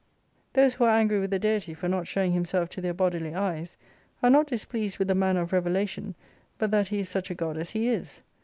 Those who are angry with the Deity for not showing Himself to their bodily eyes are not displeased with the manner of revelation, but that He is such a God as He is.